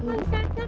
sudah pasti cecep